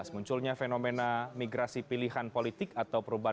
munculnya fenomena migrasi pilihan politik atau perubahan